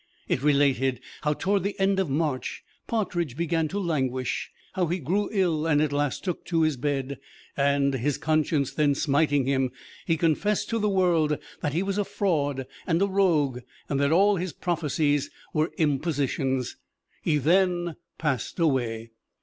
It related how toward the end of March Partridge began to languish; how he grew ill and at last took to his bed, and, his conscience then smiting him, he confessed to the world that he was a fraud and a rogue, that all his prophecies were impositions; he then passed away.